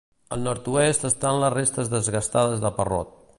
Al nord-oest estan les restes desgastades de Parrot.